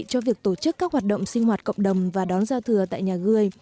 cho việc tổ chức các hoạt động sinh hoạt cộng đồng và đón giao thừa tại nhà gửi